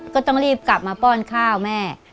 ก็ต้องรีบกลับมาป้อนข้าวแม่